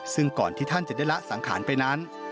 ซึ่งก่อนที่ท่านจะได้ละสังขารไปนั้น